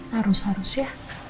harus harus ya